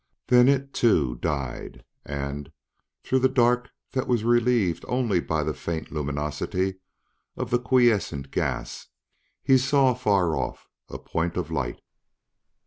Then it, too, died; and, through the dark that was relieved only by the faint luminosity of the quiescent gas, he saw far off a point of light.